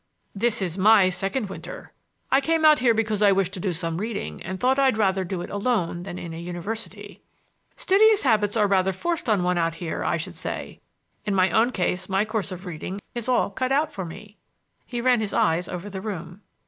"This is my second winter. I came out here because I wished to do some reading, and thought I'd rather do it alone than in a university." "Studious habits are rather forced on one out here, I should say. In my own case my course of reading is all cut out for me." He ran his eyes over the room.